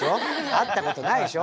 会ったことないでしょ。